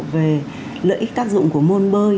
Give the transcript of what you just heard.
về lợi ích tác dụng của môn bơi